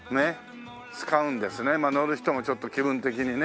まあ乗る人もちょっと気分的にね。